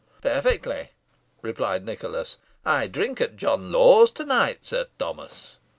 "Perfectly," replied Nicholas. "I drink at John Lawe's to night, Sir Thomas."